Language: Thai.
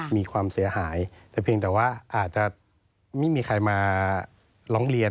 มีความเสียหายแต่เพียงแต่ว่าอาจจะไม่มีใครมาร้องเรียน